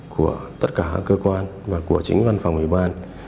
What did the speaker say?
của tất cả các cơ quan và của chính văn phòng ủy ban